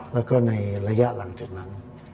แล้วก็ในระยะหลังจากนั้น